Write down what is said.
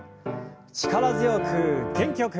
力強く元気よく。